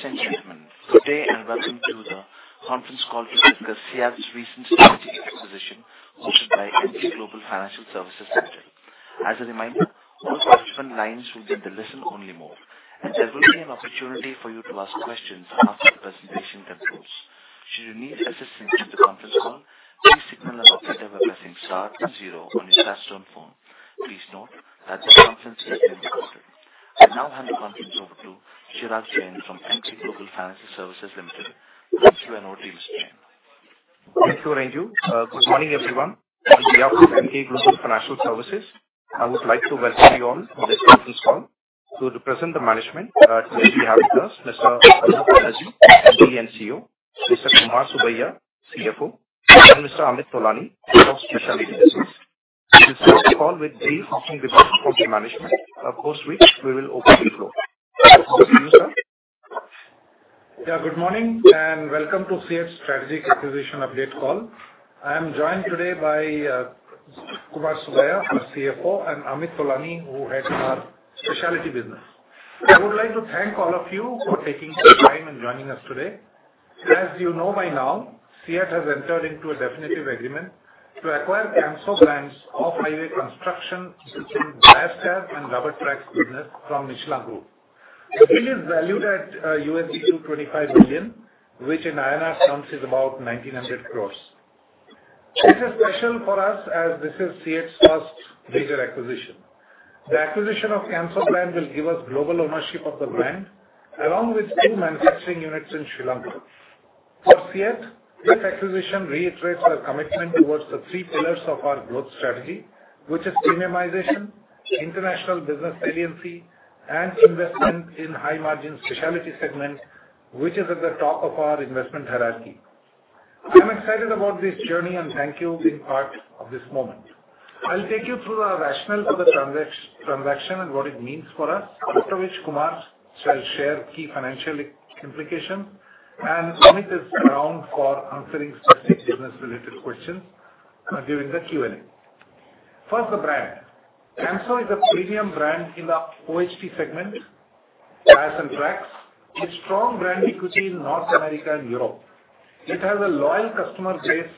Ladies and gentlemen, good day and welcome to the conference call to discuss CEAT's recent strategic acquisition hosted by Emkay Global Financial Services Limited. As a reminder, all participant lines will be in the listen-only mode, and there will be an opportunity for you to ask questions after the presentation concludes. Should you need assistance with the conference call, please signal to us by pressing star and zero on your touch-tone phone. Please note that this conference is being recorded. I now hand the conference over to Chirag Jain from Emkay Global Financial Services Limited. Thank you and over to Mr. Jain. Thank you, Renju. Good morning, everyone. I'm here from Emkay Global Financial Services. I would like to welcome you all to this conference call. To represent the management, we have with us Mr. Arnab Banerjee, MD CEO; Mr. Kumar Subbiah, CFO; and Mr. Amit Tolani, Head of Specialty Business. This is a call with brief opening remarks from the management, post which we will open the floor. Welcome to you, sir. Yeah, good morning and welcome to CEAT's strategic acquisition update call. I am joined today by Kumar Subbiah, our CFO, and Amit Tolani, who heads our specialty business. I would like to thank all of you for taking the time and joining us today. As you know by now, CEAT has entered into a definitive agreement to acquire Camso's off-highway construction, bias and rubber tracks business from Michelin Group. The deal is valued at $225 million, which in INR terms is about 1,900 crores. This is special for us as this is CEAT's first major acquisition. The acquisition of Camso will give us global ownership of the brand, along with two manufacturing units in Sri Lanka. For CEAT, this acquisition reiterates our commitment towards the three pillars of our growth strategy, which are premiumization, international business saliency, and investment in high-margin specialty segment, which is at the top of our investment hierarchy. I'm excited about this journey and thank you being part of this moment. I'll take you through our rationale for the transaction and what it means for us, after which Kumar shall share key financial implications, and Amit is around for answering specific business-related questions during the Q&A. First, the brand. Camso is a premium brand in the OHT segment, tires and tracks, with strong brand equity in North America and Europe. It has a loyal customer base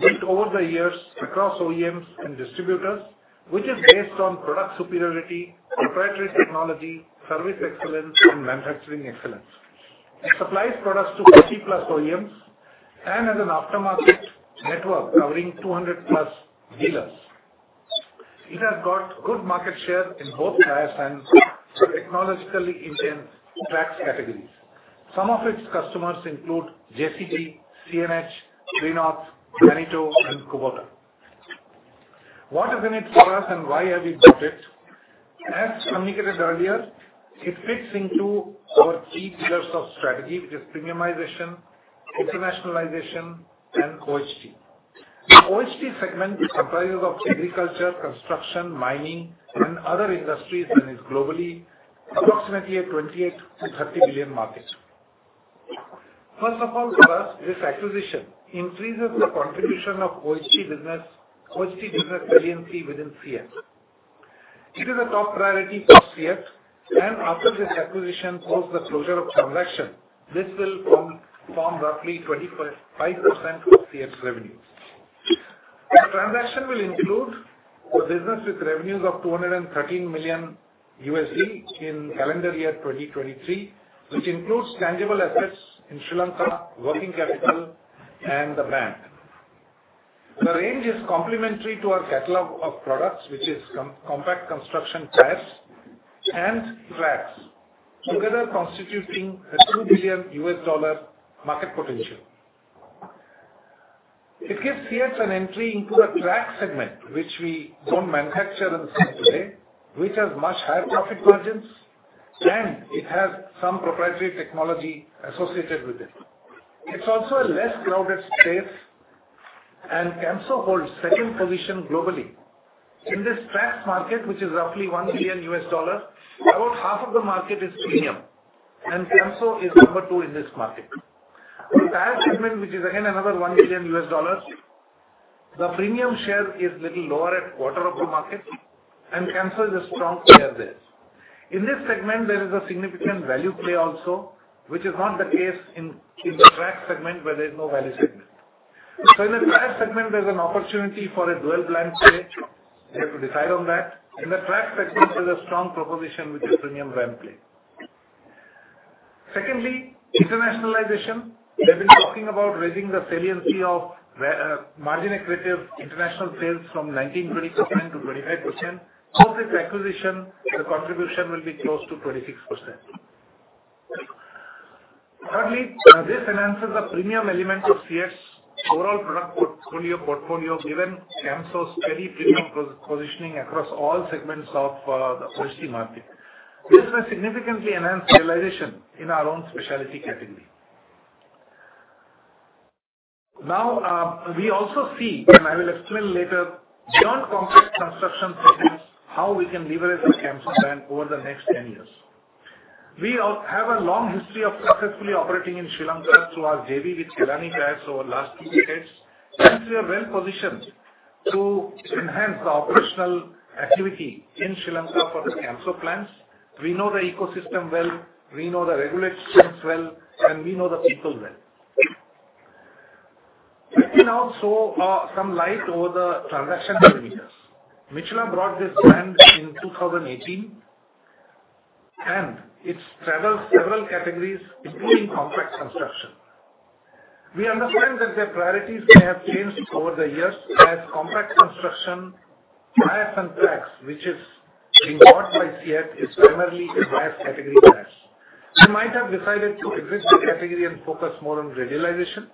built over the years across OEMs and distributors, which is based on product superiority, proprietary technology, service excellence, and manufacturing excellence. It supplies products to 50-plus OEMs and has an aftermarket network covering 200-plus dealers. It has got good market share in both tires and technologically intensive tracks categories. Some of its customers include JCB, CNH, GreenOx, Manitou, and Kubota. What is in it for us and why have we bought it? As communicated earlier, it fits into our key pillars of strategy, which are premiumization, internationalization, and OHT. The OHT segment comprises agriculture, construction, mining, and other industries and is globally approximately a $28-30 billion market. First of all, for us, this acquisition increases the contribution of OHT business saliency within CEAT. It is a top priority for CEAT, and after this acquisition post the closure of transaction, this will form roughly 25% of CEAT's revenues. The transaction will include a business with revenues of $213 million in calendar year 2023, which includes tangible assets in Sri Lanka, working capital, and the brand. The range is complementary to our catalog of products, which is compact construction tires and tracks, together constituting a $2 billion market potential. It gives CEAT an entry into the track segment, which we don't manufacture and sell today, which has much higher profit margins, and it has some proprietary technology associated with it. It's also a less crowded space, and Camso holds second position globally. In this tracks market, which is roughly $1 billion, about half of the market is premium, and Camso is number two in this market. The tire segment, which is again another $1 billion, the premium share is a little lower at quarter of the market, and Camso has a strong share there. In this segment, there is a significant value play also, which is not the case in the track segment where there is no value segment. In the tire segment, there's an opportunity for a dual brand play. We have to decide on that. In the track segment, there's a strong proposition, which is premium brand play. Secondly, internationalization. They've been talking about raising the saliency of margin-accretive international sales from 19%-20% to 25%. Post this acquisition, the contribution will be close to 26%. Thirdly, this enhances the premium element of CEAT's overall portfolio given Camso's steady premium positioning across all segments of the OHT market. This will significantly enhance realization in our own specialty category. Now, we also see, and I will explain later, beyond compact construction segments, how we can leverage the Camso brand over the next 10 years. We have a long history of successfully operating in Sri Lanka through our JV with Kelani Tyres over the last two decades. Since we are well positioned to enhance the operational activity in Sri Lanka for the Camso plants, we know the ecosystem well, we know the regulations well, and we know the people well. Let me now throw some light over the transaction parameters. Michelin bought this brand in 2018, and it's traveled several categories, including compact construction. We understand that their priorities may have changed over the years as compact construction tires and tracks, which is being bought by CEAT, is primarily a tire category tires. They might have decided to exit the category and focus more on realization.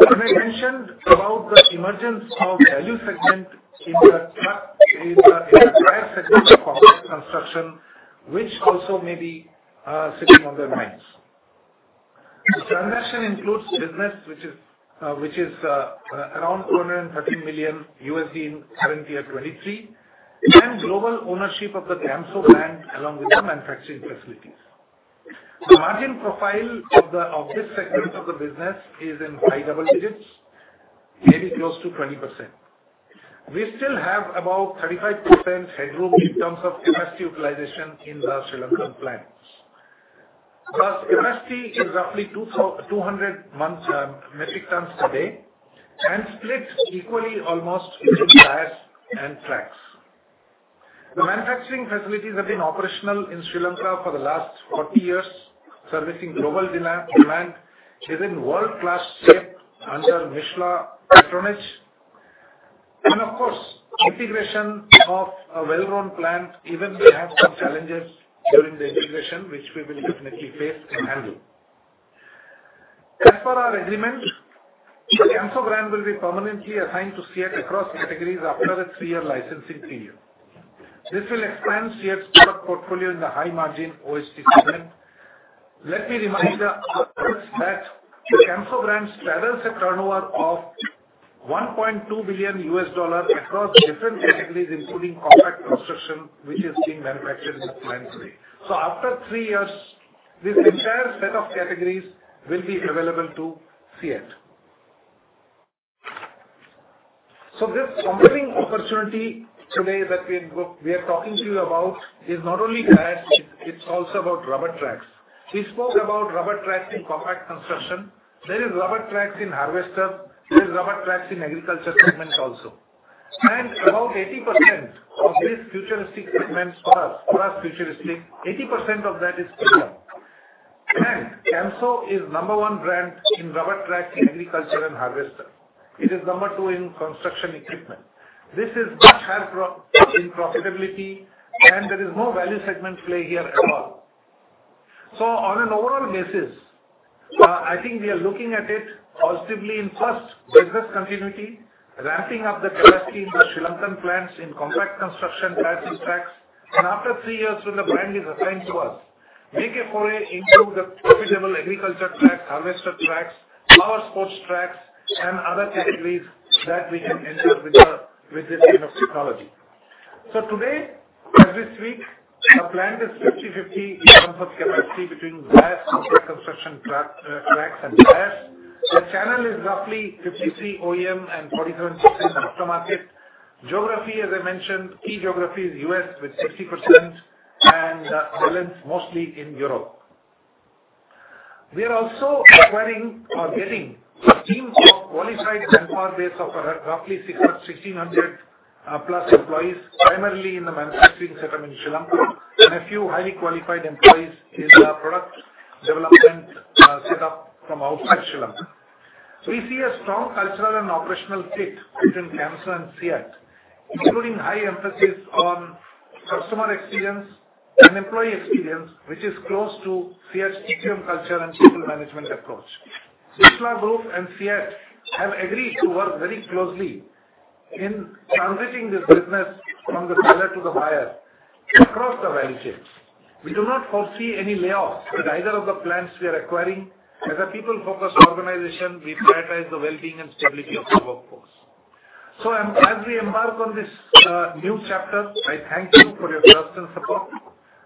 As I mentioned about the emergence of value segment in the tire segment of compact construction, which also may be sitting on their minds. The transaction includes business, which is around $213 million in current year 2023, and global ownership of the Camso brand along with the manufacturing facilities. The margin profile of this segment of the business is in high double digits, maybe close to 20%. We still have about 35% headroom in terms of capacity utilization in the Sri Lankan plants. Plus, capacity is roughly 200 metric tons per day and split equally almost between tires and tracks. The manufacturing facilities have been operational in Sri Lanka for the last 40 years, servicing global demand in world-class shape under Michelin patronage, and of course, integration of a well-run plant, even if they have some challenges during the integration, which we will definitely face and handle. As per our agreement, the Camso brand will be permanently assigned to CEAT across categories after a three-year licensing period. This will expand CEAT's product portfolio in the high-margin OHT segment. Let me remind you that Camso brand has a turnover of $1.2 billion across different categories, including compact construction, which is being manufactured in the plant today. So after three years, this entire set of categories will be available to CEAT. So this compelling opportunity today that we are talking to you about is not only tires. It's also about rubber tracks. We spoke about rubber tracks in compact construction. There are rubber tracks in harvesters. There are rubber tracks in agriculture segment also. And about 80% of this futuristic segment for us, futuristic, 80% of that is premium. And Camso is the number one brand in rubber tracks in agriculture and harvester. It is number two in construction equipment. This is much higher in profitability, and there is no value segment play here at all. So on an overall basis, I think we are looking at it positively in first, business continuity, ramping up the capacity in the Sri Lankan plants in compact construction tires and tracks. And after three years, when the brand is assigned to us, make a foray into the profitable agriculture tracks, harvester tracks, power sports tracks, and other categories that we can enter with this kind of technology. So today, as we speak, the plant is 50-50 in terms of capacity between tires, compact construction tracks, and tires. The channel is roughly 53% OEM and 47% aftermarket. Geography, as I mentioned, key geography is U.S. with 50% and balance mostly in Europe. We are also acquiring or getting a team of qualified manpower base of roughly 1,600-plus employees, primarily in the manufacturing setup in Sri Lanka, and a few highly qualified employees in the product development setup from outside Sri Lanka. We see a strong cultural and operational fit between Camso and CEAT, including high emphasis on customer experience and employee experience, which is close to CEAT's TQM culture and people management approach. Michelin Group and CEAT have agreed to work very closely in transitioning this business from the seller to the buyer across the value chain. We do not foresee any layoffs at either of the plants we are acquiring. As a people-focused organization, we prioritize the well-being and stability of the workforce, so as we embark on this new chapter, I thank you for your trust and support.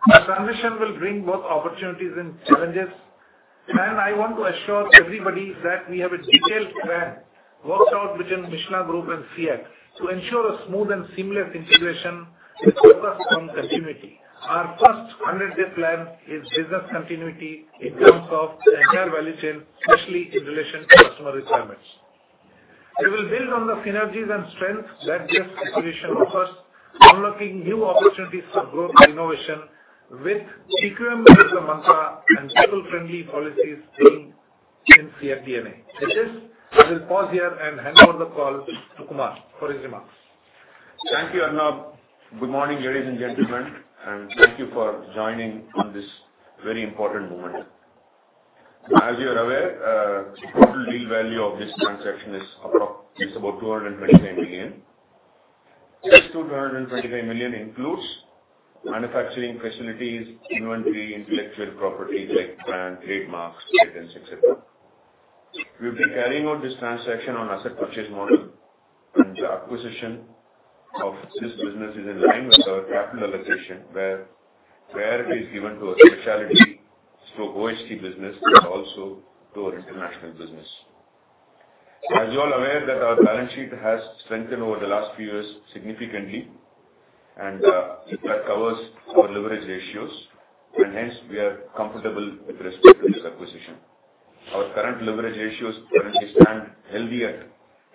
The transition will bring both opportunities and challenges, and I want to assure everybody that we have a detailed plan worked out between Michelin Group and CEAT to ensure a smooth and seamless integration with focus on continuity. Our first 100-day plan is business continuity in terms of the entire value chain, especially in relation to customer requirements. We will build on the synergies and strengths that this acquisition offers, unlocking new opportunities for growth and innovation with OEM-based mantra and people-friendly policies being in CEAT's DNA. With this, I will pause here and hand over the call to Kumar for his remarks. Thank you, Arnab. Good morning, ladies and gentlemen, and thank you for joining on this very important moment. As you are aware, the total deal value of this transaction is about $225 million. This $225 million includes manufacturing facilities, inventory, intellectual property, direct brand, trademarks, and business, etc. We've been carrying out this transaction on asset purchase model, and the acquisition of this business is in line with our capital allocation, where priority is given to a specialty/OHT business and also to our international business. As you all are aware that our balance sheet has strengthened over the last few years significantly, and that covers our leverage ratios, and hence we are comfortable with respect to this acquisition. Our current leverage ratios currently stand healthy at net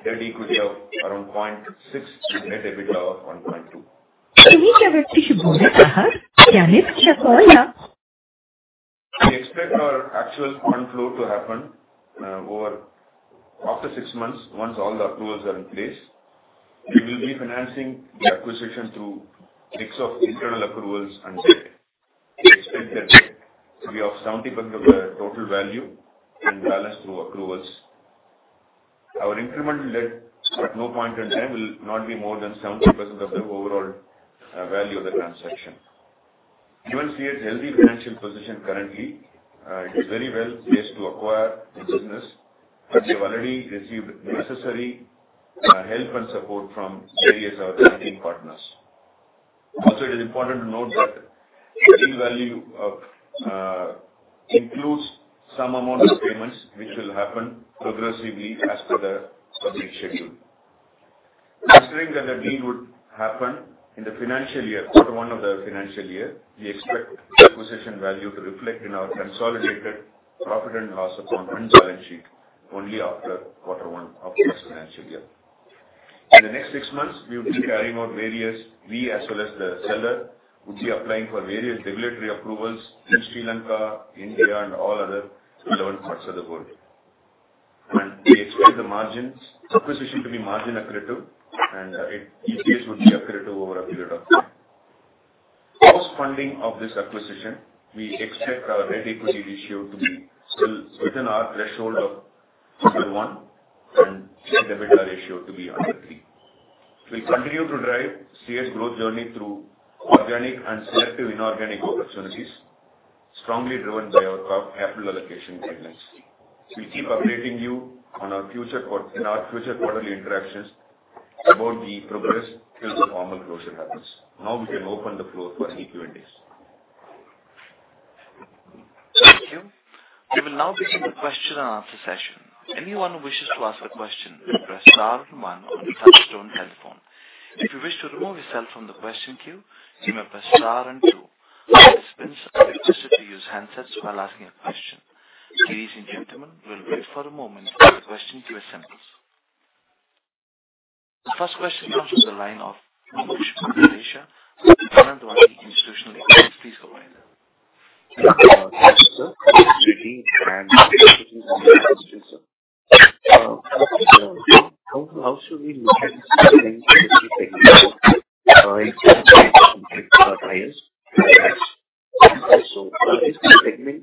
debt to equity of around 0.6 and net debt to equity of 1.2. To make everything bonus aha, Janet Shakolaa. We expect our actual fund flow to happen after six months once all the approvals are in place. We will be financing the acquisition through mix of internal accruals and debt. We expect that we have 70% of the total value and balance through accruals. Our incremental debt at no point in time will not be more than 70% of the overall value of the transaction. Given CEAT's healthy financial position currently, it is very well placed to acquire the business, and we have already received necessary help and support from various other banking partners. Also, it is important to note that the deal value includes some amount of payments, which will happen progressively as per the schedule. Considering that the deal would happen in the financial year, quarter one of the financial year, we expect the acquisition value to reflect in our consolidated profit and loss account balance sheet only after quarter one of the financial year. In the next six months, we will be carrying out various. We, as well as the seller, would be applying for various regulatory approvals in Sri Lanka, India, and all other relevant parts of the world. We expect the acquisition to be margin-accretive, and EBITDA would be accretive over a period of time. Post funding of this acquisition, we expect our net debt-equity ratio to be still within our threshold of 1, and net debt to EBITDA to be under 3. We'll continue to drive CEAT's growth journey through organic and selective inorganic opportunities, strongly driven by our capital allocation guidelines. We'll keep updating you on our future quarterly interactions about the progress till the formal closure happens. Now we can open the floor for any Q&As. Thank you. We will now begin the question and answer session. Anyone who wishes to ask a question may press star and one on the touch-tone telephone. If you wish to remove yourself from the question queue, you may press star and two. Participants are requested to use handsets while asking a question. Ladies and gentlemen, we'll wait for a moment as the question queue assembles. The first question comes from the line of Mumuksh Mandlesha from Anand Rathi Institutional Equities. Please go ahead. Thank you for asking, sir. It's pretty grand. How should we look at these things in the key segments? For instance, compared to our buyers? Also, is the segment significantly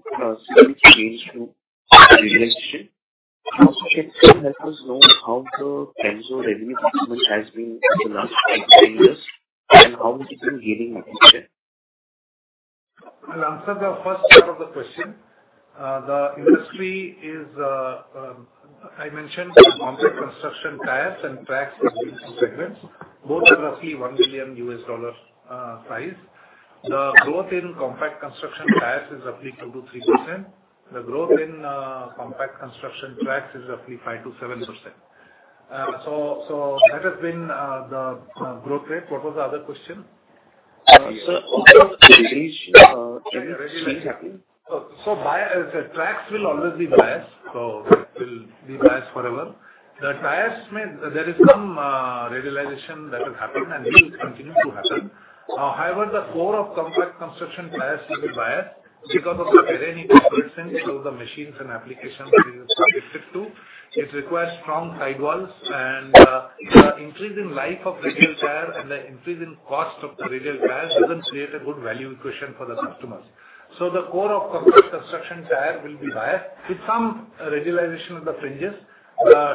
changed through regulation? Also, can you help us know how the Camso revenue segment has been in the last 15 years and how it has been gaining in the future? I'll answer the first part of the question. The industry is, I mentioned, compact construction tires and tracks in different segments. Both are roughly $1 billion size. The growth in compact construction tires is roughly 2%-3%. The growth in compact construction tracks is roughly 5%-7%. So that has been the growth rate. What was the other question? Sir, regulating. Tracks will always be biased. That will be biased forever. The tires may. There is some radialization that has happened and will continue to happen. However, the core of compact construction tires will be biased because of the varying operations of the machines and applications it is subjected to. It requires strong sidewalls, and the increase in life of radial tire and the increase in cost of the radial tire doesn't create a good value equation for the customers. The core of compact construction tire will be biased. With some radialization of the fringes,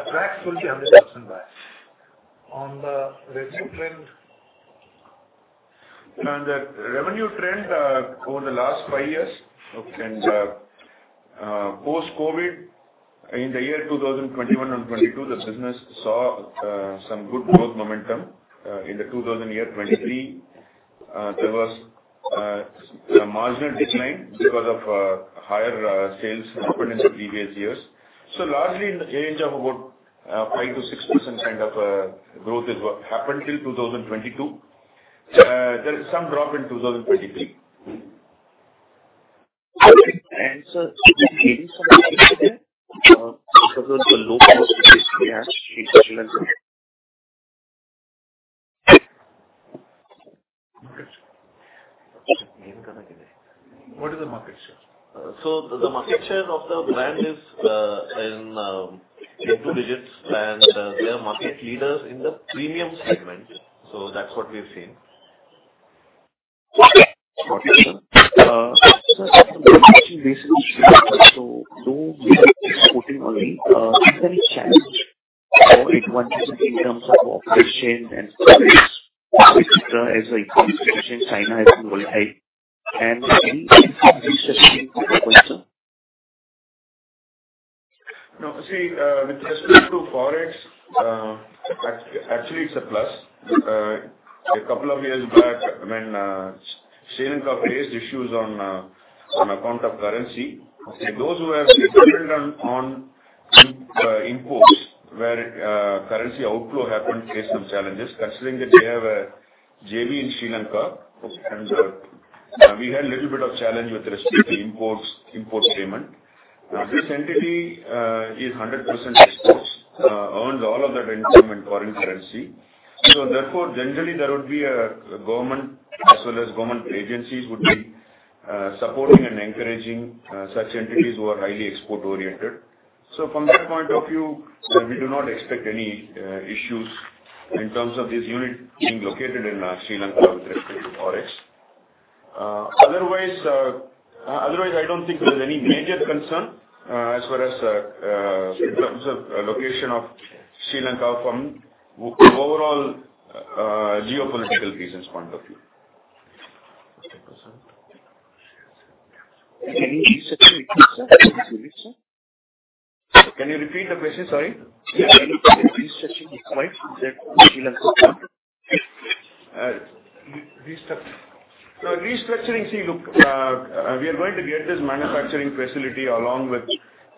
tracks will be 100% biased. On the revenue trend? The revenue trend over the last five years. Post-COVID, in the year 2021 and 2022, the business saw some good growth momentum. In the year 2023, there was a marginal decline because of higher sales happened in the previous years. So largely in the range of about 5-6% kind of growth happened till 2022. There is some drop in 2023. Sir, can you give me some numbers for the low-price tires in Sri Lanka? What is the market share? So the market share of the brand is in two digits, and they are market leaders in the premium segment. So that's what we've seen. So those supporting only, is there any challenge or advantage in terms of operation and service? As a ecosystem, China has been very high. And any increase in this shifting forecast, sir? No. See, with respect to forex, actually, it's a plus. A couple of years back, when Sri Lanka faced issues on account of currency, those who have been dependent on imports where currency outflow happened faced some challenges. Considering that they have a JV in Sri Lanka, and we had a little bit of challenge with respect to import payment. This entity is 100% exports, earns all of that income in foreign currency. So therefore, generally, there would be a government, as well as government agencies, would be supporting and encouraging such entities who are highly export-oriented. So from that point of view, we do not expect any issues in terms of this unit being located in Sri Lanka with respect to forex. Otherwise, I don't think there's any major concern as far as in terms of location of Sri Lanka from overall geopolitical reasons point of view. Can you please section it quick, sir? Please repeat, sir. Can you repeat the question? Sorry. Yeah. Can you please mention it quick? Is that Sri Lanka? Restructuring. See, look, we are going to get this manufacturing facility along with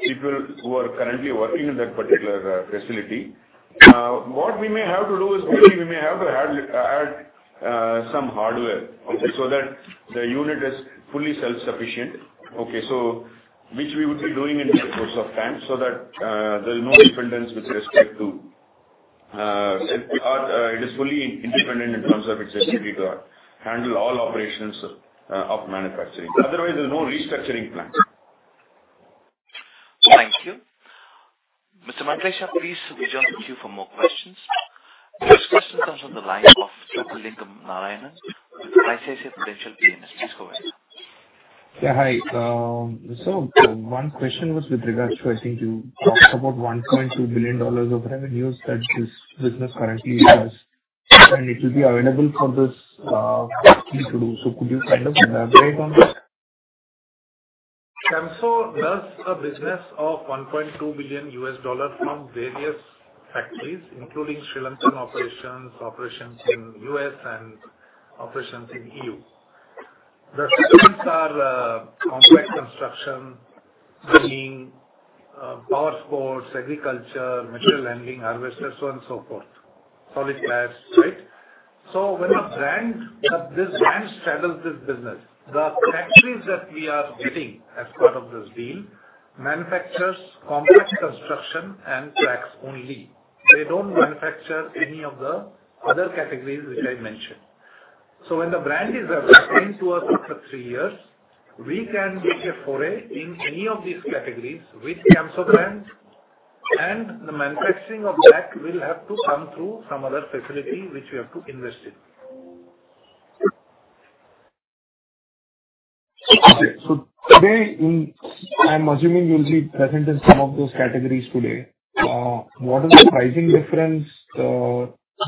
people who are currently working in that particular facility. What we may have to do is maybe we may have to add some hardware so that the unit is fully self-sufficient. Okay. So which we would be doing in the course of time so that there is no dependence with respect to it is fully independent in terms of its ability to handle all operations of manufacturing. Otherwise, there's no restructuring plan. Thank you. Mr. Mandlesha, please join the queue for more questions. First question comes from the line of Chockalingam Narayanan with ICICI Prudential PMS. Please go ahead. Yeah. Hi. So one question was with regards to, I think you talked about $1.2 billion of revenues that this business currently has, and it will be available for this factory to do. So could you kind of elaborate on that? Camso does a business of $1.2 billion from various factories, including Sri Lankan operations, operations in the U.S., and operations in the EU. The segments are compact construction, mining, power sports, agriculture, material handling, harvesters, so on and so forth, solid tires, right? So when this brand straddles this business, the factories that we are getting as part of this deal manufactures compact construction and tracks only. They don't manufacture any of the other categories which I mentioned. So when the brand is adapting to us after three years, we can make a foray in any of these categories with Camso brand, and the manufacturing of that will have to come through some other facility which we have to invest in. Okay. So today, I'm assuming you'll be present in some of those categories today. What is the pricing difference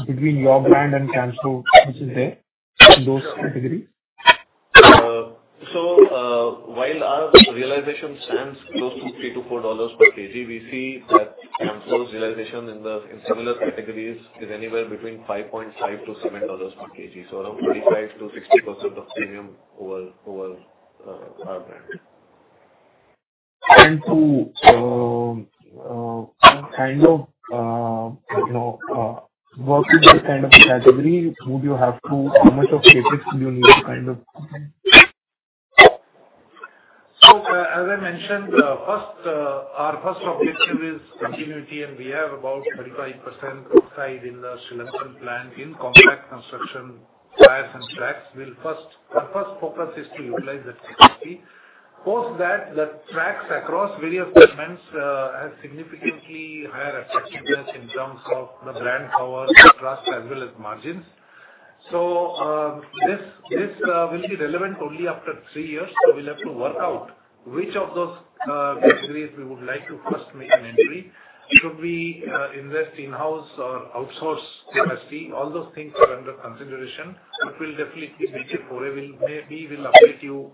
between your brand and Camso, which is there in those categories? So while our realization stands close to $3-$4 per kg, we see that Camso's realization in similar categories is anywhere between $5.5-$7 per kg. So around 45%-60% of premium over our brand. To kind of work with this kind of category, how much of CapEx do you need to kind of? So as I mentioned, our first objective is continuity, and we have about 35% upside in the Sri Lankan plant in compact construction tires and tracks. Our first focus is to utilize that capacity. Post that, the tracks across various segments have significantly higher attractiveness in terms of the brand power, trust, as well as margins. So this will be relevant only after three years. So we'll have to work out which of those categories we would like to first make an entry. Should we invest in-house or outsource capacity? All those things are under consideration, but we'll definitely make a foray. Maybe we'll update you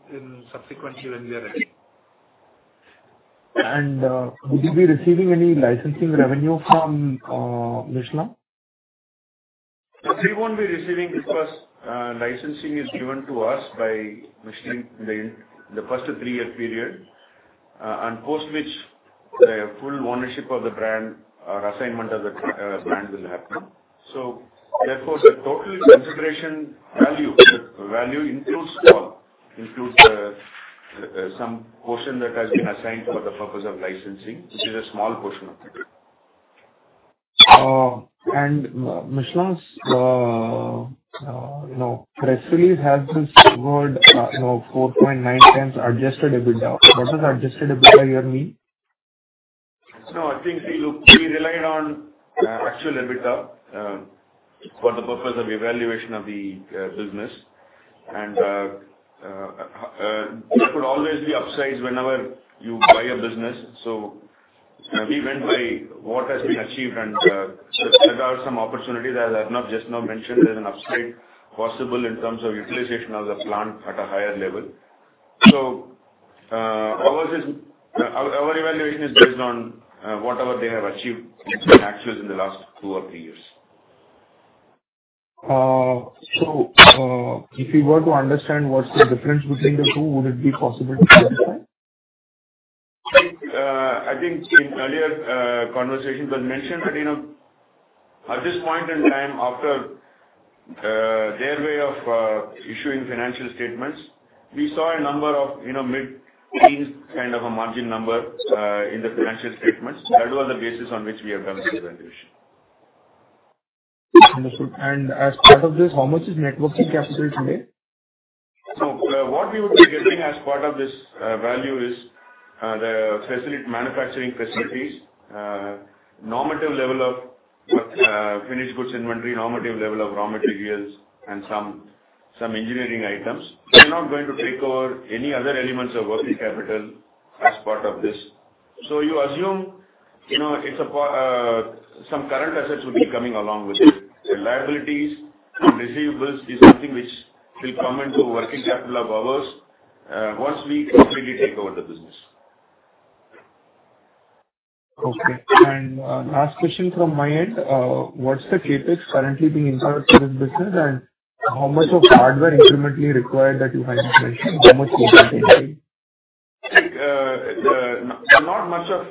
subsequently when we are ready. Would you be receiving any licensing revenue from Michelin? We won't be receiving because licensing is given to us by Michelin in the first three-year period, and post which the full ownership of the brand or assignment of the brand will happen. So therefore, the total consideration value includes all, includes some portion that has been assigned for the purpose of licensing, which is a small portion of it. Michelin's press release has this word, $0.049 adjusted EBITDA. What does Adjusted EBITDA here mean? No, I think we relied on actual EBITDA for the purpose of evaluation of the business. And there could always be upsides whenever you buy a business. So we went by what has been achieved, and there are some opportunities as Arnab just now mentioned. There's an upside possible in terms of utilization of the plant at a higher level. So our evaluation is based on whatever they have achieved in actuals in the last two or three years. So if you were to understand what's the difference between the two, would it be possible to identify? I think in earlier conversations, I mentioned that at this point in time, after their way of issuing financial statements, we saw a number of mid-teens kind of a margin number in the financial statements. That was the basis on which we have done the evaluation. Wonderful. And as part of this, how much is working capital today? So what we would be getting as part of this value is the manufacturing facilities, normative level of finished goods inventory, normative level of raw materials, and some engineering items. We're not going to take over any other elements of working capital as part of this. So you assume some current assets will be coming along with it. Liabilities and receivables is something which will come into working capital of ours once we completely take over the business. Okay. And last question from my end. What's the CapEx currently being impacted in this business, and how much CapEx incrementally required that you kind of mentioned? How much incrementally? Not much of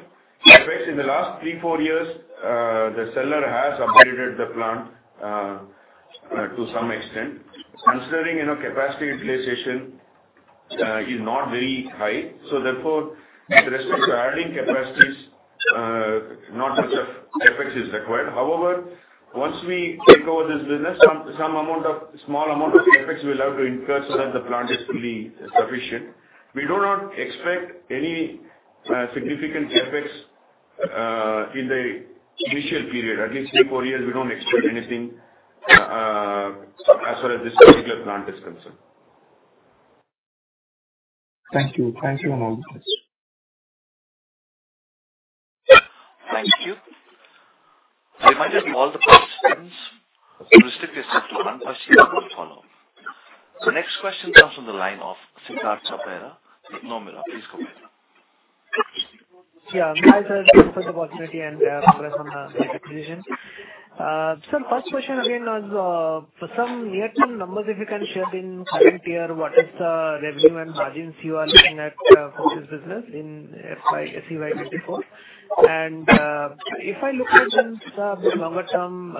CapEx. In the last three, four years, the seller has upgraded the plant to some extent. Considering capacity utilization is not very high, so therefore, with respect to adding capacities, not much of CapEx is required. However, once we take over this business, some small amount of CapEx we'll have to incur so that the plant is fully sufficient. We do not expect any significant CapEx in the initial period. At least three, four years, we don't expect anything as far as this particular plant is concerned. Thank you. Thank you for all the questions. Thank you. We might have all the questions. So restrict yourself to one question and we'll follow up. The next question comes from the line of Siddhartha Bera, Nomura. Please go ahead. Yeah. I'm glad for the opportunity and press on the decision. Sir, first question again was for some near-term numbers, if you can share in current year, what is the revenue and margins you are looking at for this business in FY 24? And if I look at the longer term,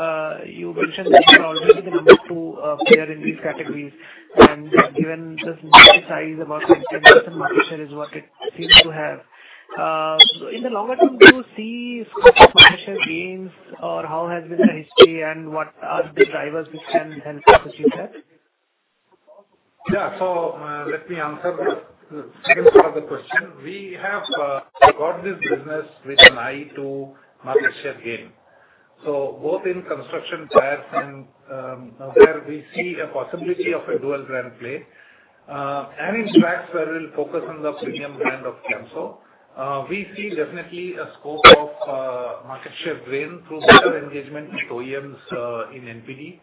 you mentioned that you are already the number two player in these categories. And given this market size, about 20% market share is what it seems to have. In the longer term, do you see market share gains or how has been the history, and what are the drivers which can help you achieve that? Yeah. So let me answer the second part of the question. We have got this business with an eye to market share gain. So both in construction tires and where we see a possibility of a dual brand play. And in tracks where we'll focus on the premium brand of Camso, we see definitely a scope of market share gain through better engagement with OEMs in NPD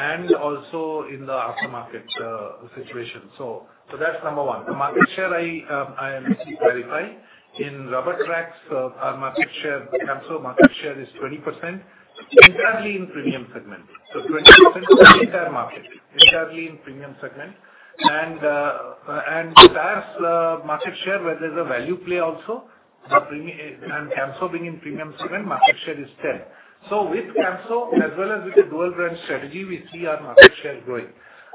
and also in the aftermarket situation. So that's number one. The market share I am able to verify in rubber tracks, our market share, Camso market share is 20% entirely in premium segment. So 20% entire market entirely in premium segment. And tires market share, where there's a value play also, and Camso being in premium segment, market share is 10%. So with Camso, as well as with the dual brand strategy, we see our market share growing.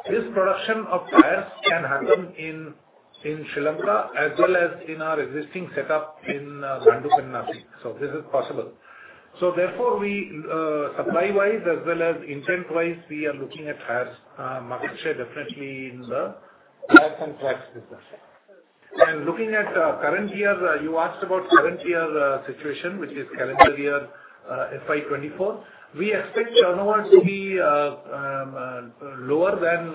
This production of tires can happen in Sri Lanka as well as in our existing setup in Bhandup and Nasik. So this is possible. So therefore, supply-wise as well as intent-wise, we are looking at tires market share definitely in the tires and tracks business. And looking at current year, you asked about current year situation, which is calendar year FY24. We expect turnover to be lower than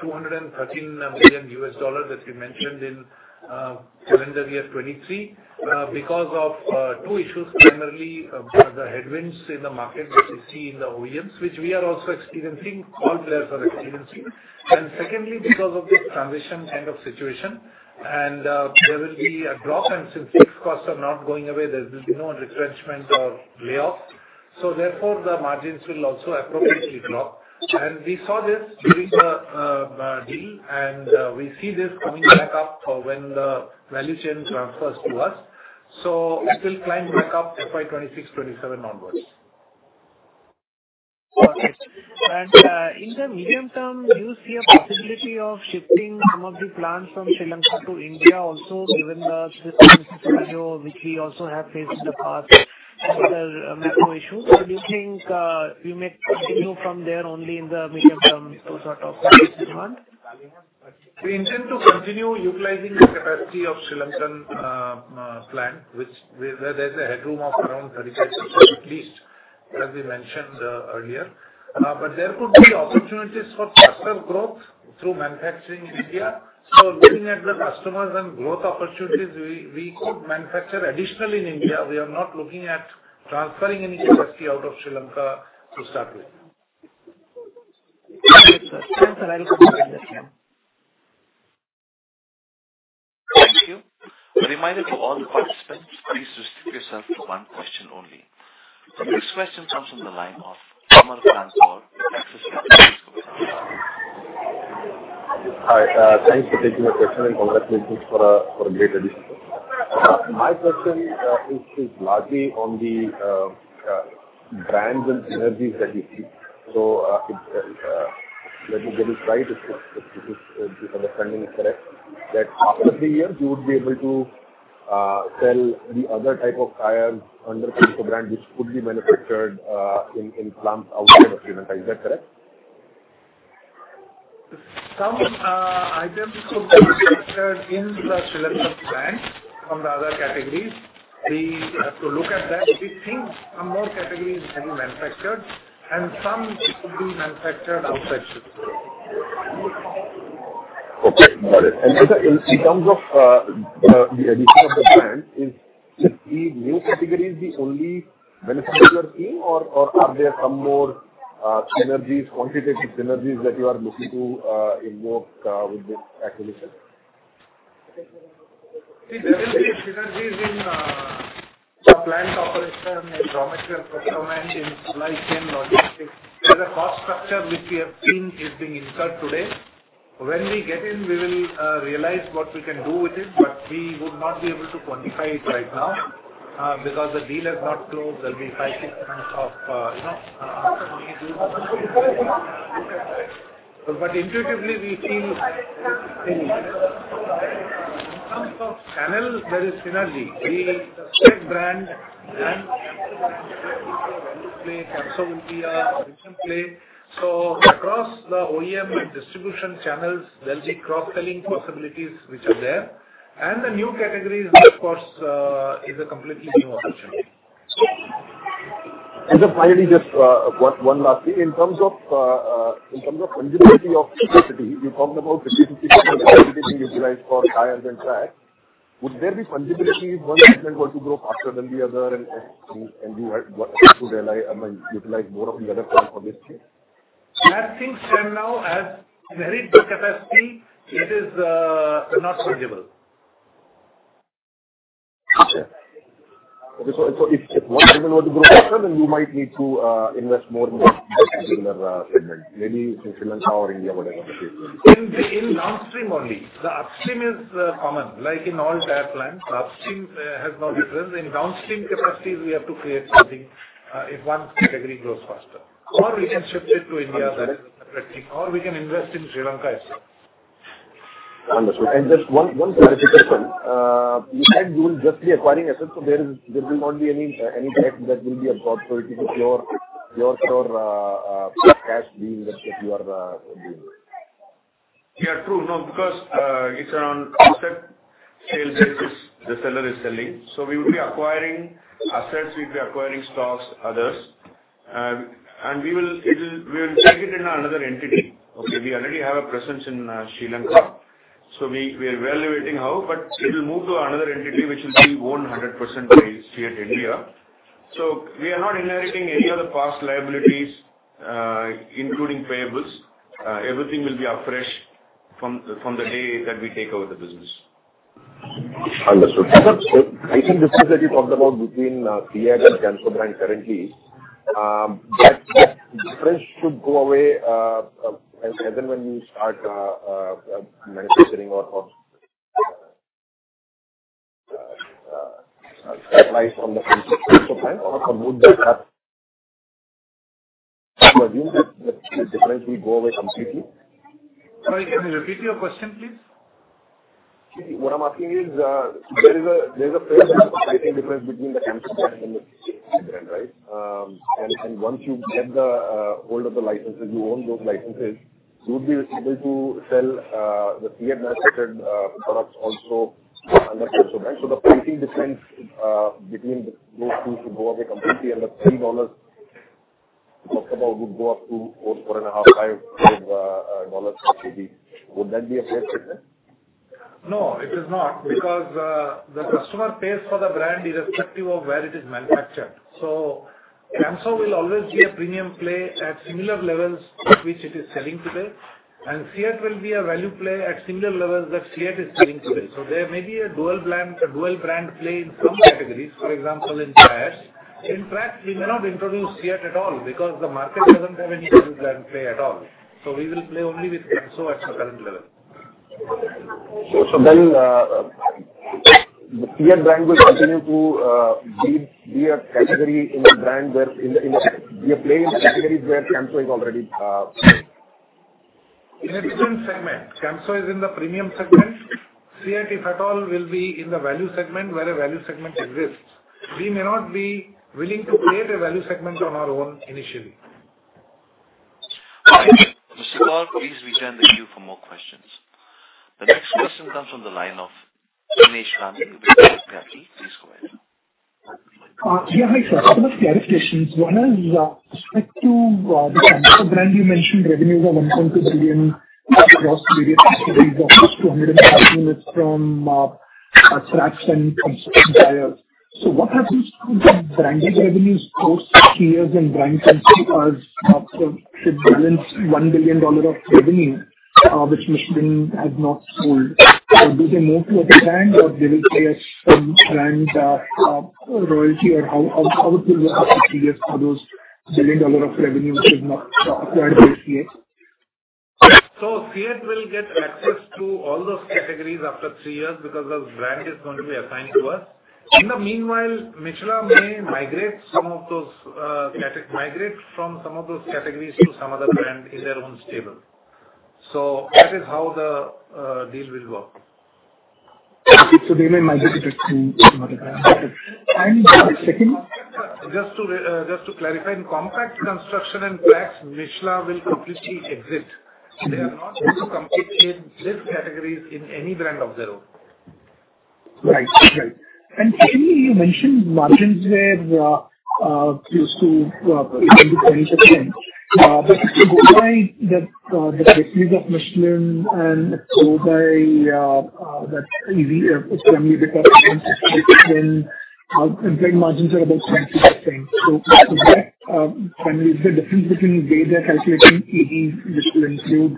$213 million that we mentioned in calendar year 2023 because of two issues, primarily the headwinds in the market that we see in the OEMs, which we are also experiencing. All players are experiencing. And secondly, because of this transition kind of situation, there will be a drop. And since fixed costs are not going away, there will be no retrenchment or layoff. So therefore, the margins will also appropriately drop. We saw this during the deal, and we see this coming back up when the value chain transfers to us. It will climb back up FY26, 27 onwards. Okay. And in the medium term, do you see a possibility of shifting some of the plants from Sri Lanka to India also, given the business scenario which we also have faced in the past for the macro issues? Or do you think we may continue from there only in the medium term, those sort of demand? We intend to continue utilizing the capacity of Sri Lankan plant, where there's a headroom of around 35% at least, as we mentioned earlier. But there could be opportunities for faster growth through manufacturing in India. So looking at the customers and growth opportunities, we could manufacture additional in India. We are not looking at transferring any capacity out of Sri Lanka to start with. Thank you. A reminder to all the participants, please restrict yourself to one question only. The next question comes from the line of Amar Kant Gaur, Axis Capital. Hi. Thanks for taking my question. And congratulations for a great addition. My question is largely on the brands and synergies that you see. So let me get it right if this understanding is correct, that after three years, you would be able to sell the other type of tires under Camso brand, which could be manufactured in plants outside of Sri Lanka. Is that correct? Some items could be manufactured in the Sri Lankan plant from the other categories. We have to look at that. We think some more categories can be manufactured, and some could be manufactured outside Sri Lanka. Okay. Got it. And in terms of the addition of the brand, is the new category the only benefit you are seeing, or are there some more synergies, quantitative synergies that you are looking to invoke with this acquisition? There will be synergies in the plant operation and raw material procurement, in supply chain, logistics. There's a cost structure which we have seen is being incurred today. When we get in, we will realize what we can do with it, but we would not be able to quantify it right now because the deal has not closed. There'll be five, six months of aftermarket use. But intuitively, we feel in terms of channel, there is synergy. The CEAT brand and Camso brand will play a value play. Camso will be a position play. So across the OEM and distribution channels, there'll be cross-selling possibilities which are there. And the new categories, of course, is a completely new opportunity. Sir, finally, just one last thing. In terms of fungibility of capacity, you're talking about 50-50% of capacity being utilized for tires and tracks. Would there be fungibility if one segment were to grow faster than the other, and you had to utilize more of the other plants for this change? I think, sir, now as we varied the capacity, it is not fungible. Okay. So if one segment were to grow faster, then you might need to invest more in a particular segment, maybe in Sri Lanka or India, whatever the case may be. In downstream only. The upstream is common. Like in all tire plants, the upstream has no difference. In downstream capacities, we have to create something if one category grows faster. Or we can shift it to India. That is a separate thing. Or we can invest in Sri Lanka itself. Wonderful. And just one clarification. You said you will just be acquiring assets, so there will not be any debt that will be absorbed, so it is your pure cash being that you are doing? Yeah, true. No, because it's around asset sale basis the seller is selling. So we will be acquiring assets. We'll be acquiring stocks, others. And we will take it in another entity. Okay. We already have a presence in Sri Lanka. So we are evaluating how, but we will move to another entity which will be owned 100% by CEAT India. So we are not inheriting any other past liabilities, including payables. Everything will be afresh from the day that we take over the business. Understood. I think the things that you talked about between CEAT and Camso brand currently, that difference should go away as and when you start manufacturing or supplies from the country? So would that assume that the difference will go away completely? Sorry, can you repeat your question, please? What I'm asking is, there is a fairly significant difference between the Camso brand and the CEAT brand, right? And once you get hold of the licenses, you own those licenses, you would be able to sell the CEAT-manufactured products also under Camso brand. So the pricing difference between those two should go away completely. And the $3 you talked about would go up to $4.5, $5. Would that be a fair difference? No, it is not because the customer pays for the brand irrespective of where it is manufactured. So Camso will always be a premium play at similar levels to which it is selling today. And CEAT will be a value play at similar levels that CEAT is selling today. So there may be a dual brand play in some categories, for example, in tires. In tracks, we may not introduce CEAT at all because the market doesn't have any dual brand play at all. So we will play only with Camso at the current level. The CEAT brand will continue to be a category in the brand where we play in the categories where Camso is already? In the premium segment. Camso is in the premium segment. CEAT, if at all, will be in the value segment where a value segment exists. We may not be willing to create a value segment on our own initially. Mr. Kumar, please return to the queue for more questions. The next question comes from the line of Jinesh Gandhi,. Please go ahead. Yeah, hi sir. A couple of clarifications. One is with respect to the Camso brand, you mentioned revenues are $1.2 billion across various categories of 200 and something from tracks and construction tires. So what happens to the branded revenues post three years in brand terms because it balanced $1 billion of revenue which Michelin had not sold? So do they move to other brands, or they will pay a sub-brand royalty, or how it will work after three years for those billion dollars of revenue which is not acquired by CEAT? CEAT will get access to all those categories after three years because the brand is going to be assigned to us. In the meanwhile, Michelin may migrate some of those from some of those categories to some other brand in their own stable. That is how the deal will work. So they may migrate to some other brand. Finally, just a second. Just to clarify, in compact construction and tracks, Michelin will completely exit. They are not going to compete in these categories in any brand of their own. Right. Right. And finally, you mentioned margins were close to 20%. But if you go by the basis of Michelin and go by that EV multiple because it's 16x, EBITDA margins are about 20%. So is that primarily the difference between the way they're calculating EV, which will include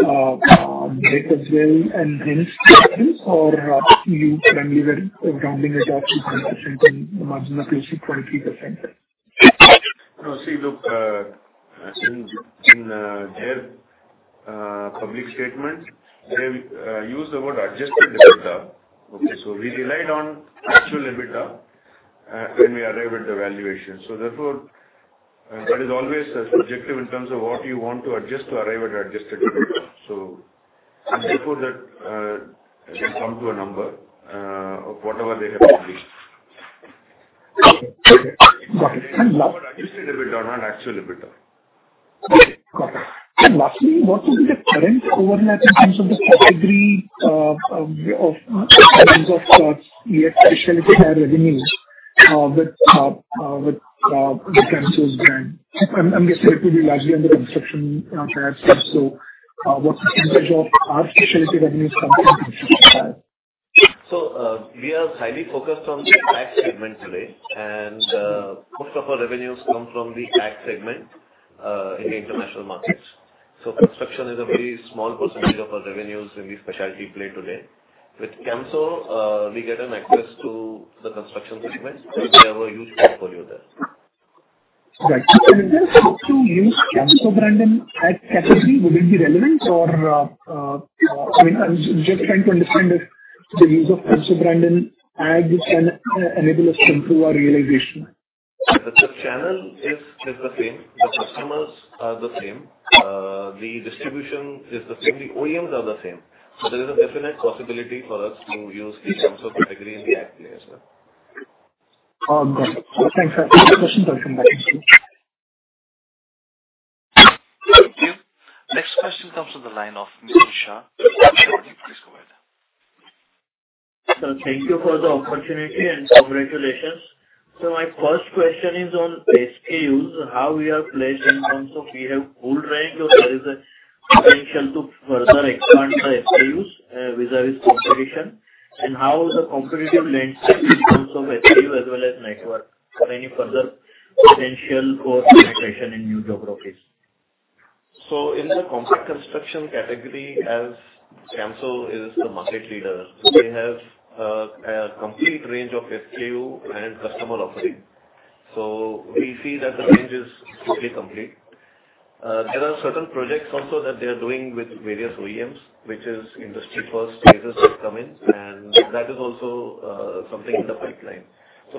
debt as well, and hence the difference, or are you primarily rounding it out to 20% and the margins are close to 23%? No, see, look, in their public statement, they used the word Adjusted EBITDA. Okay. So we relied on actual EBITDA when we arrived at the valuation. So therefore, that is always subjective in terms of what you want to adjust to arrive at Adjusted EBITDA. So before that, they come to a number of whatever they have agreed. Okay. Got it. And last. Adjusted EBITDA or not actual EBITDA. Okay. Got it. And lastly, what would be the current overlap in terms of the category of CEAT specialty tire revenues with Camso's brand? I'm guessing it would be largely on the construction tires. So what percentage of our specialty revenues comes from construction tires? So we are highly focused on the AG segment today. And most of our revenues come from the AG segment in the international market. So construction is a very small percentage of our revenues in the specialty play today. With Camso, we get an access to the construction segment. We have a huge portfolio there. Right. And in terms of how to use Camso brand in AG category, would it be relevant or I mean, I'm just trying to understand if the use of Camso brand in AG can enable us to improve our realization? The channel is the same. The customers are the same. The distribution is the same. The OEMs are the same. So there is a definite possibility for us to use the Camso category in the AG play as well. Got it. Thanks for the question. I'll come back and see. Thank you. Next question comes from the line of Mitul Shah. Please go ahead. Thank you for the opportunity and congratulations. My first question is on SKUs, how we are placed in terms of we have pooled rank or there is a potential to further expand the SKUs vis-à-vis competition, and how the competitive landscape in terms of SKU as well as network, any further potential for penetration in new geographies? In the compact construction category, as Camso is the market leader, they have a complete range of SKU and customer offering. We see that the range is completely complete. There are certain projects also that they are doing with various OEMs, which is industry-first phases that come in, and that is also something in the pipeline.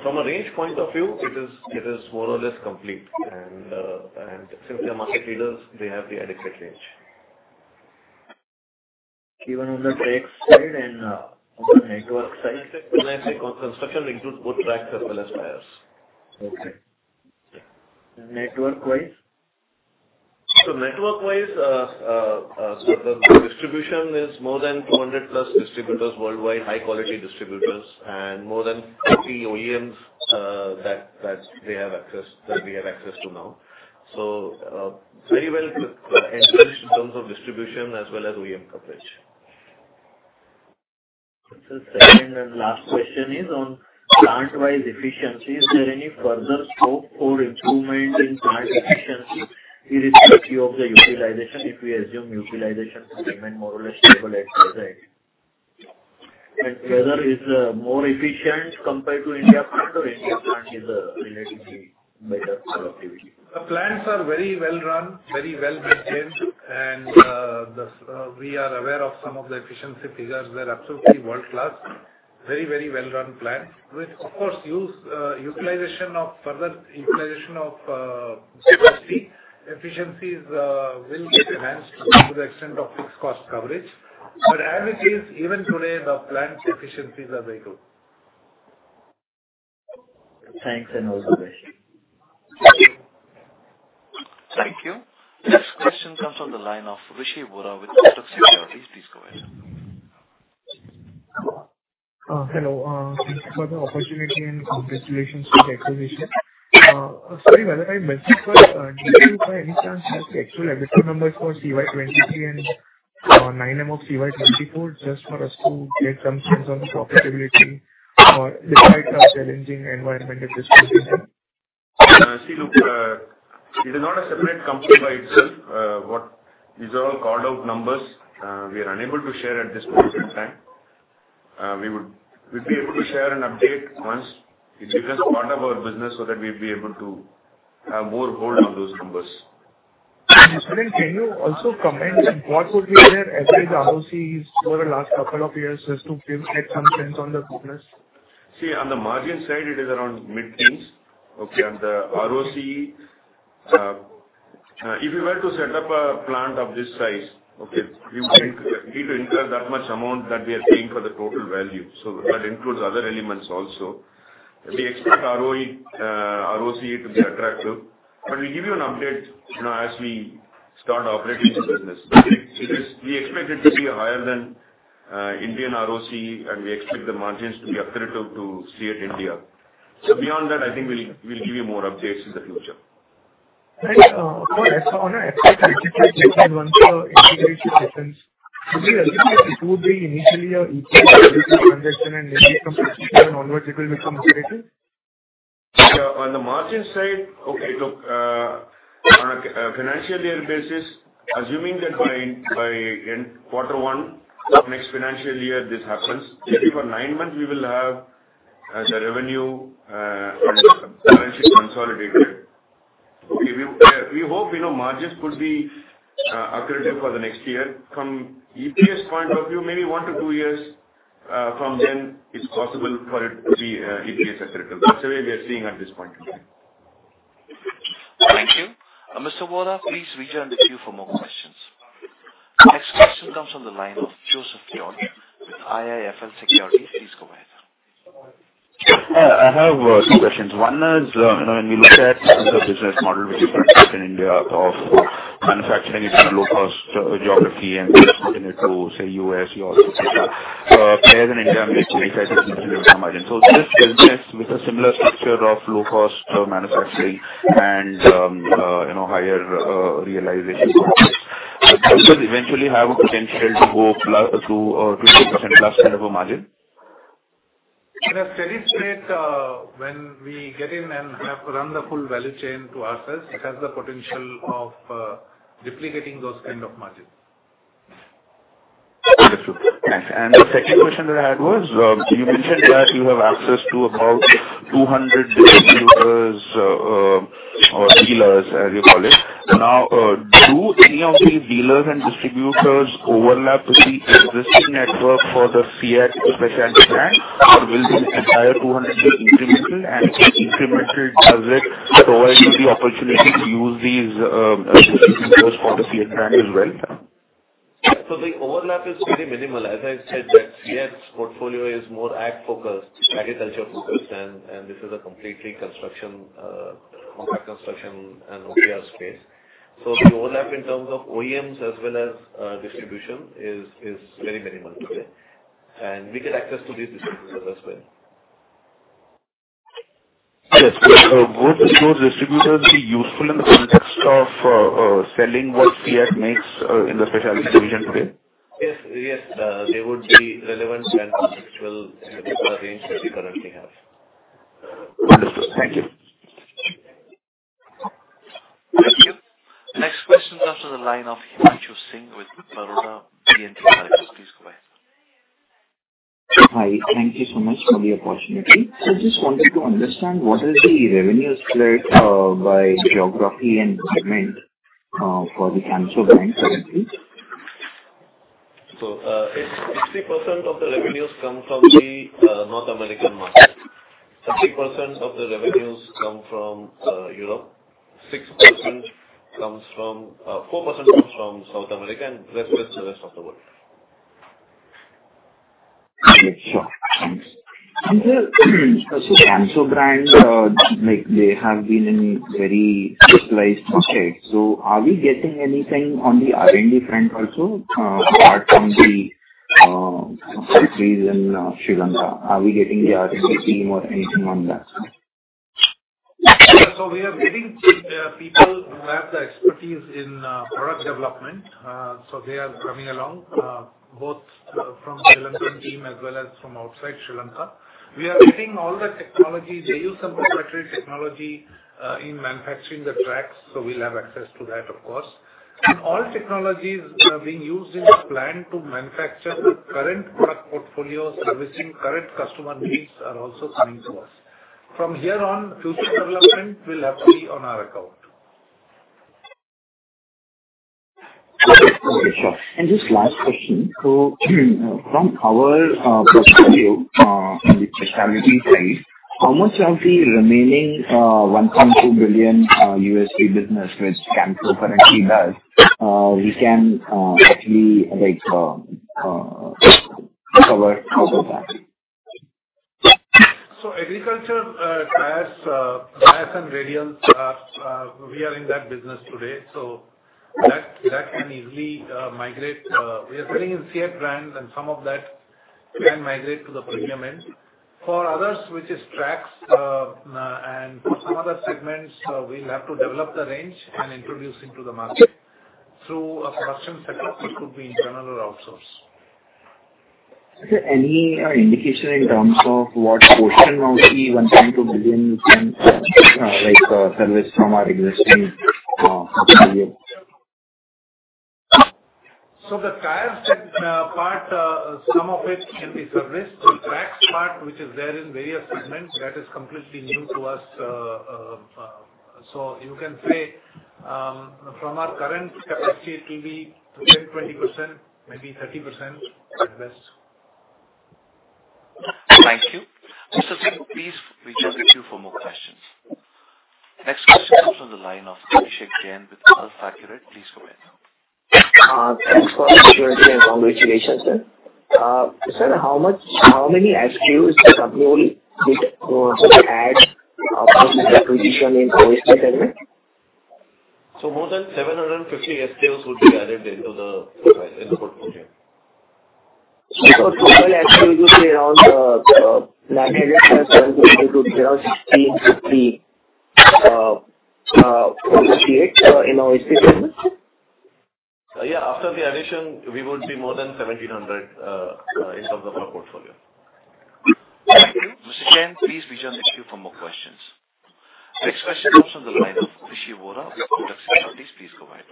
From a range point of view, it is more or less complete. Since they are market leaders, they have the adequate range. Even on the tracks side and on the network side, when I say construction includes both tracks as well as tires. Okay. Network-wise? So network-wise, the distribution is more than 200-plus distributors worldwide, high-quality distributors, and more than 50 OEMs that we have access to now. So very well enriched in terms of distribution as well as OEM coverage. This is the second and last question on plant-wise efficiency. Is there any further scope for improvement in plant efficiency with respect to the utilization if we assume utilization to remain more or less stable at present? And whether it's more efficient compared to India plant or India plant is a relatively better productivity? The plants are very well-run, very well-maintained, and we are aware of some of the efficiency figures. They're absolutely world-class, very, very well-run plants. With, of course, further utilization of capacity, efficiencies will be enhanced to the extent of fixed cost coverage. But as it is, even today, the plant efficiencies are very good. Thanks and also Rishi. Thank you. Next question comes from the line of Rishi Vora with Kotak Securities. Please go ahead. Hello. Thank you for the opportunity and congratulations for the acquisition. Sorry, while I mentioned first, did you, by any chance, have the actual EBITDA numbers for CY23 and 9M of CY24 just for us to get some sense on the profitability despite a challenging environment at this point in time? See, look, it is not a separate company by itself. These are all called-out numbers we are unable to share at this point in time. We would be able to share an update once it becomes part of our business so that we'd be able to have more hold on those numbers. Mr. Jain, can you also comment on what would be their average ROCs over the last couple of years just to get some sense on the progress? See, on the margin side, it is around mid-teens. Okay. And the ROC, if you were to set up a plant of this size, okay, we would need to incur that much amount that we are paying for the total value. So that includes other elements also. We expect ROC to be attractive. But we'll give you an update as we start operating the business. We expect it to be higher than Indian ROC, and we expect the margins to be accurate to CEAT India. So beyond that, I think we'll give you more updates in the future. Right. Of course, I saw on an expert article you mentioned once the integration difference. Would you agree that it would be initially a transition and maybe some transition onwards it will become accurate? Yeah. On the margin side, okay, look, on a financial year basis, assuming that by quarter one of next financial year this happens, maybe for nine months we will have the revenue and balance sheet consolidated. We hope margins could be accurate for the next year. From EPS point of view, maybe one to two years from then it's possible for it to be EPS accurate. That's the way we are seeing at this point in time. Thank you. Mr. Vora, please rejoin the queue for more questions. Next question comes from the line of Joseph George with IIFL Securities. Please go ahead. I have two questions. One is when we look at the business model which is in India of manufacturing it in a low-cost geography and exporting it to, say, US, Europe, etc., prices in India may be 25%-30% of the margin. So this business with a similar structure of low-cost manufacturing and higher realization costs eventually have a potential to go to 20% plus kind of a margin? In a steady state when we get in and have run the full value chain to ourselves, it has the potential of duplicating those kind of margins. Understood. Thanks. And the second question that I had was you mentioned that you have access to about 200 distributors or dealers, as you call it. Now, do any of these dealers and distributors overlap with the existing network for the CEAT specialty brand, or will the entire 200 be incremental? And if incremental, does it provide you the opportunity to use these distributors for the CEAT brand as well? So the overlap is very minimal. As I said, CEAT's portfolio is more AG-focused, agriculture-focused, and this is a completely construction, compact construction and OEM space. So the overlap in terms of OEMs as well as distribution is very minimal today. And we get access to these distributors as well. Yes. Would those distributors be useful in the context of selling what CEAT makes in the specialty division today? Yes. Yes. They would be relevant and contextual with the range that we currently have. Understood. Thank you. Thank you. Next question comes from the line of Himanshu Singh with Baroda BNP Paribas. Please go ahead. Hi. Thank you so much for the opportunity. I just wanted to understand what is the revenue split by geography and segment for the Camso brand currently? 60% of the revenues come from the North American market. 70% of the revenues come from Europe. 4% comes from South America and the rest of the world. Sure. So Camso brand, they have been in very specialized markets. So are we getting anything on the R&D front also apart from the facilities in Sri Lanka? Are we getting the R&D team or anything on that? So we are getting people who have the expertise in product development. So they are coming along both from the Sri Lankan team as well as from outside Sri Lanka. We are getting all the technology. They use some proprietary technology in manufacturing the tracks, so we'll have access to that, of course. And all technologies being used in the plant to manufacture the current product portfolio servicing current customer needs are also coming to us. From here on, future development will have to be on our account. Sure. And just last question. So from our portfolio on the specialty side, how much of the remaining $1.2 billion business which Camso currently does, we can actually cover over that? So agriculture, tires, and radials, we are in that business today. So that can easily migrate. We are selling in CEAT brand, and some of that can migrate to the premium end. For others, which is tracks, and for some other segments, we'll have to develop the range and introduce into the market through a production setup, which could be internal or outsourced. Is there any indication in terms of what portion of the 1.2 billion you can service from our existing portfolio? So the tires part, some of it can be serviced. The tracks part, which is there in various segments, that is completely new to us. So you can say from our current capacity, it will be 10%-20%, maybe 30% at best. Thank you. Mr. Singh, please rejoin the queue for more questions. Next question comes from the line of Abhishek Jain with AlfAccurate Advisors. Please go ahead. Thanks for sharing your congratulations, sir. Sir, how many SKUs is the company will add upon the acquisition in the OHT segment? More than 750 SKUs would be added into the portfolio. So total SKUs would be around 900, 750, it would be around 1650, 1658 in OHT segment? Yeah. After the addition, we would be more than 1700 in terms of our portfolio. Thank you. Mr. Jain, please rejoin the queue for more questions. Next question comes from the line of Rishi Vora with Kotak Securities. Please go ahead.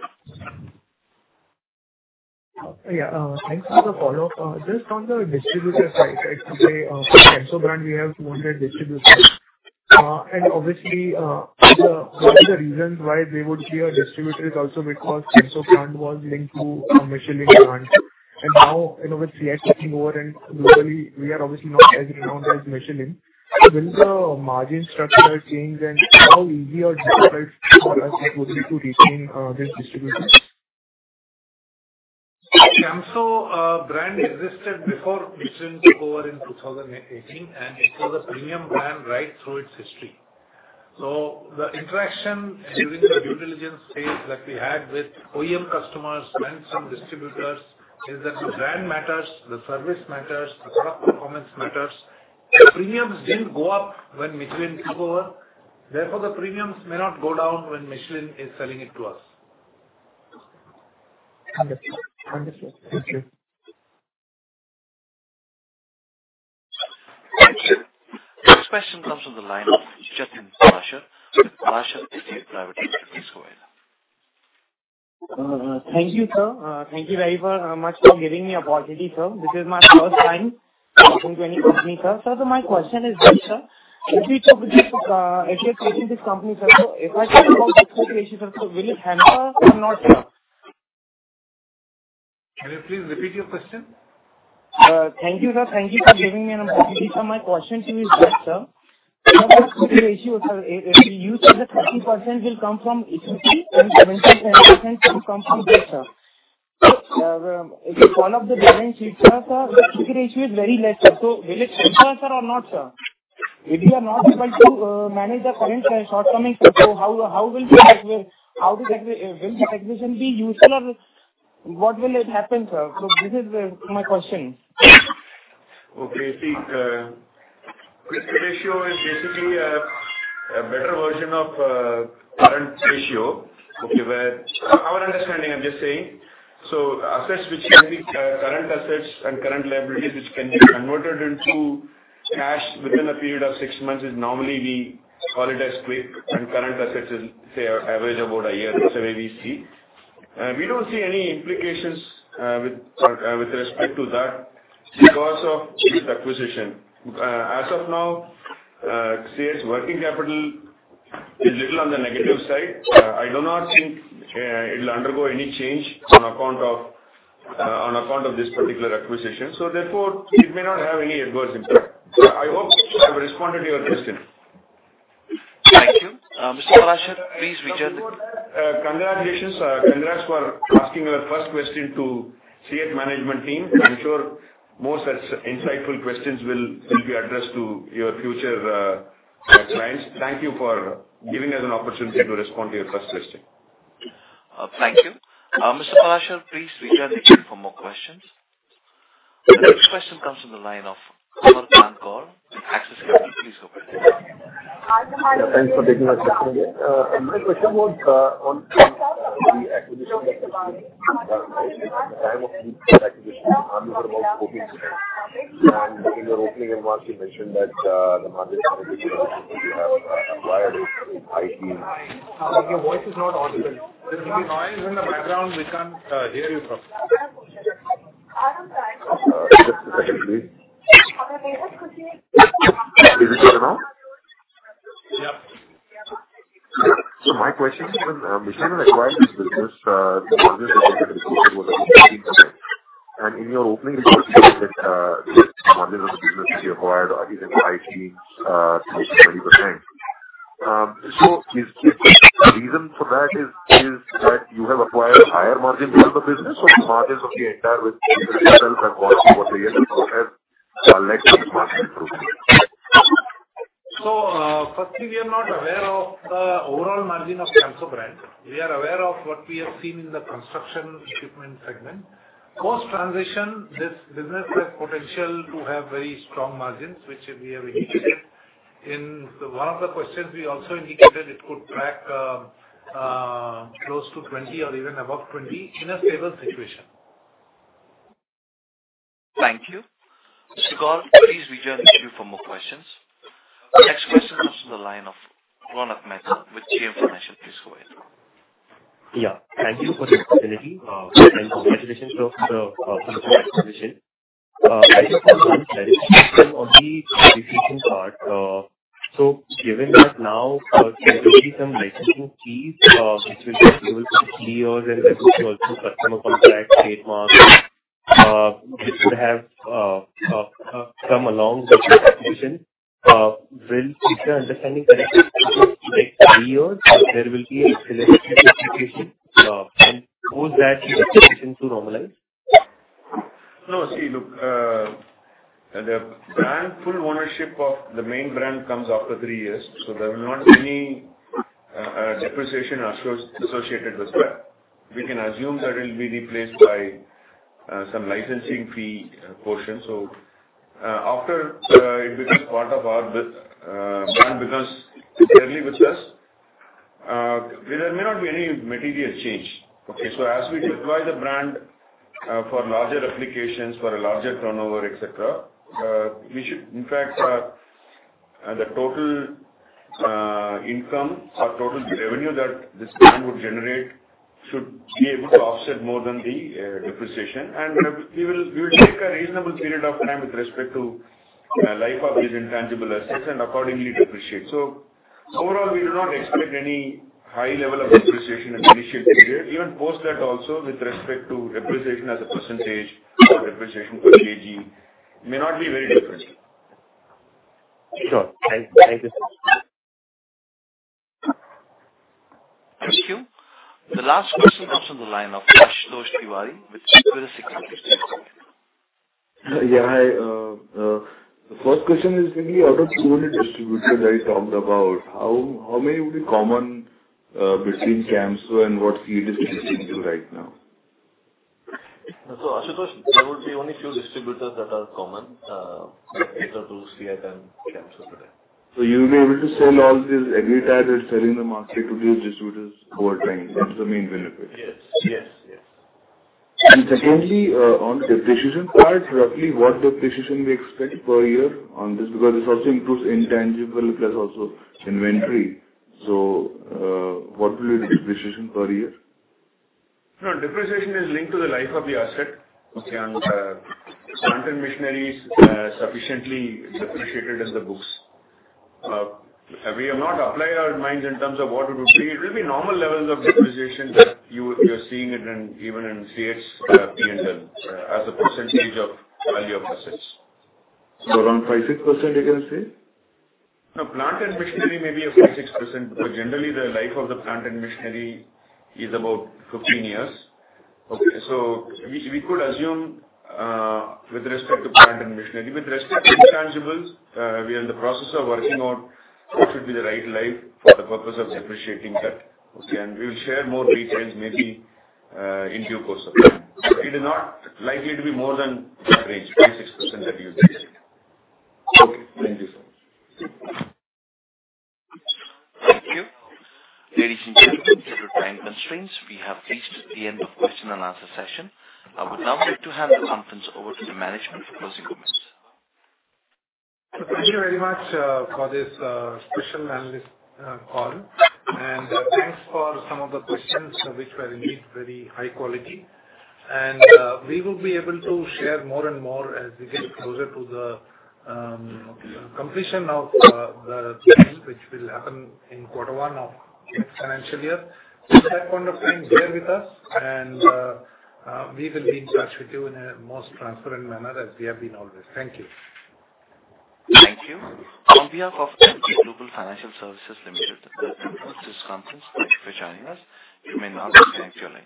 Yeah. Thanks for the follow-up. Just on the distributor side, for Camso brand, we have 200 distributors. And obviously, one of the reasons why they would be a distributor is also because Camso brand was linked to Michelin brand. And now with CEAT taking over, and globally, we are obviously not as renowned as Michelin. Will the margin structure change? And how easy or difficult for us it would be to retain these distributors? Camso brand existed before Michelin took over in 2018, and it was a premium brand right through its history, so the interaction during the due diligence phase that we had with OEM customers and some distributors is that the brand matters, the service matters, the product performance matters. The premiums didn't go up when Michelin took over. Therefore, the premiums may not go down when Michelin is selling it to us. Understood. Understood. Thank you. Next question comes from the line of Jatin Parashar with Parashar Estate. Please go ahead. Thank you, sir. Thank you very much for giving me the opportunity, sir. This is my first time talking to any company, sir. Sir, my question is this, sir. If you choose to purchase this company, sir, if I talk about this corporation, sir, will it handle us or not, sir? Can you please repeat your question? Thank you, sir. Thank you for giving me an opportunity. Sir, my question to you is this, sir. If you use the 30%, will come from equity, and 75% will come from this, sir. If you follow up the balance sheet, sir, sir, the equity ratio is very less, sir. So will it help us, sir, or not, sir? If we are not able to manage the current shortcomings, how will this acquisition be useful, or what will happen, sir? So this is my question. Okay. See, quick ratio is basically a better version of current ratio. Okay. Our understanding, I'm just saying, so assets which can be current assets and current liabilities which can be converted into cash within a period of six months is normally we call it as quick, and current assets is, say, average about a year, so maybe C. We don't see any implications with respect to that because of the acquisition. As of now, CEAT's working capital is a little on the negative side. I do not think it will undergo any change on account of this particular acquisition. So therefore, it may not have any adverse impact. I hope I've responded to your question. Thank you. Mr. Parashar, please rejoin the queue. Congratulations, sir. Congrats for asking your first question to CEAT management team. I'm sure more such insightful questions will be addressed to your future clients. Thank you for giving us an opportunity to respond to your first question. Thank you. Mr. Parashar, please rejoin the queue for more questions. Next question comes from the line of Kumar Pankaj, Axis Capital. Please go ahead. Thanks for taking my question. My question was on the acquisition. The timeline of the acquisition, I'm not sure about having spoken to them. And in your opening remarks, you mentioned that the margin is going to be 20%. You have acquired it. Your voice is not audible. There's a noise in the background. We can't hear you from. Just a second, please. Is it good to know? Yeah. So my question is, when Michelin acquired this business, the margin that they acquired was 14%. And in your opening, you mentioned that the margin of the business that you acquired is at 20%. So is the reason for that is that you have acquired higher margins for the business, or the margins of the entire business itself have gone up over the years? Or has a leg of this margin improved? So firstly, we are not aware of the overall margin of Camso brand. We are aware of what we have seen in the construction equipment segment. Post-transition, this business has potential to have very strong margins, which we have indicated. In one of the questions, we also indicated it could track close to 20% or even above 20% in a stable situation. Thank you. Mr. Kumar, please rejoin the queue for more questions. Next question comes from the line of Ronak Mehta, with JM Financial. Please go ahead. Yeah. Thank you for the opportunity. And congratulations to the acquisition. I just want to clarify on the acquisition part. So given that now there will be some licensing fees which will be cleared, and there will be also customer contact, trademarks, which would have come along with the acquisition. Is there an understanding that if it's like three years, there will be a selective application? And how is that application to normalize? No. See, look, the full ownership of the main brand comes after three years. So there will not be any depreciation associated with that. We can assume that it will be replaced by some licensing fee portion. So after it becomes part of our brand, it becomes clearly with us, there may not be any material change. Okay. So as we deploy the brand for larger applications, for a larger turnover, etc., we should, in fact, the total income or total revenue that this brand would generate should be able to offset more than the depreciation. And we will take a reasonable period of time with respect to the life of these intangible assets and accordingly depreciate. So overall, we do not expect any high level of depreciation in the initial period. Even post that, also, with respect to depreciation as a percentage or depreciation per kg, it may not be very different. Sure. Thank you. Thank you. The last question comes from the line of Ashutosh Tiwari with Equirus Securities. Yeah. Hi. The first question is really out of two distributors that you talked about. How many would be common between Camso and CEAT distribution is right now? Ashutosh, there would be only a few distributors that are common compared to CEAT and Camso today. So you'll be able to sell all these agri tires that are selling in the market to these distributors over time. That's the main benefit. Yes. Yes. Yes. And secondly, on the depreciation part, roughly what depreciation we expect per year on this? Because this also includes intangible plus also inventory. So what will be the depreciation per year? No, depreciation is linked to the life of the asset. The plant and machinery is sufficiently depreciated in the books. We have not applied our minds in terms of what it would be. It will be normal levels of depreciation that you're seeing even in CEAT's P&L as a percentage of value of assets. So around 5%-6%, you can say? No, plant and machinery may be a 5%-6%, but generally, the life of the plant and machinery is about 15 years. Okay. So we could assume with respect to plant and machinery, with respect to intangibles, we are in the process of working out what should be the right life for the purpose of depreciating that. Okay, and we will share more details maybe in due course. It is not likely to be more than that range, 5%-6% that you expect. Okay. Thank you so much. Thank you. Ladies and gentlemen, due to time constraints, we have reached the end of the question and answer session. I would now like to hand the conference over to the management for closing comments. Thank you very much for this special analyst call. And thanks for some of the questions, which were indeed very high quality. And we will be able to share more and more as we get closer to the completion of the deal, which will happen in quarter one of the financial year. So at that point of time, bear with us, and we will be in touch with you in the most transparent manner as we have been always. Thank you. Thank you. On behalf of Emkay Global Financial Services Limited, we conclude this conference. Thank you for joining us. You may now disconnect your line.